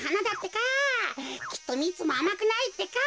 きっとミツもあまくないってか。